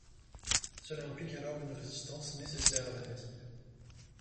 Cela implique alors une résistance nécessaire à la fatigue.